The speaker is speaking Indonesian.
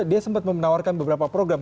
dia sempat menawarkan beberapa program